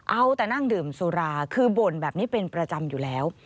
เอาแต่นั่งดื่มสุราคือบ่นแบบนี้เป็นประจำอยู่แล้ว